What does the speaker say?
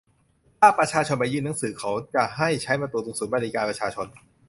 ถ้าประชาชนไปยื่นหนังสือ เขาจะให้ใช้ประตูตรงศูนย์บริการประชาชน